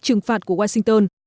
trừng phạt của washington